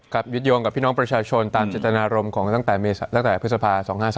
ยึดโยงกับพี่น้องประชาชนตามเจตนารมณ์ของตั้งแต่พฤษภา๒๕๓